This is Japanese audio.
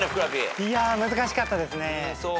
いやー難しかったですね。